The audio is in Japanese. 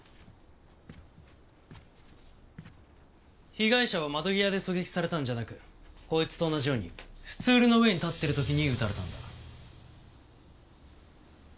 被害者は窓際で狙撃されたんじゃなくこいつと同じようにスツールの上に立ってる時に撃たれたんだ。